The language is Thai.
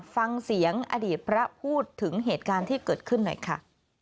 ฟังเสียงอดีตพระพูดถึงเหตุการณ์ที่เกิดขึ้นหน่อยค่ะ